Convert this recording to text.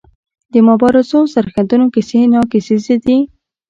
د مبارزو او سرښندنو کیسې ناکیسیزې دي.